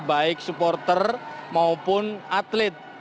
baik supporter maupun atlet